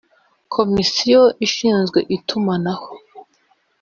Komisiyo ishinzwe Itumanaho.